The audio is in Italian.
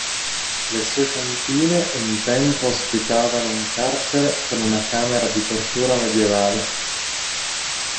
Le sue cantine un tempo ospitavano un carcere con una camera di tortura medievale.